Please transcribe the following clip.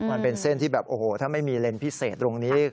มันเป็นเส้นที่แบบโอ้โหถ้าไม่มีเลนส์พิเศษตรงนี้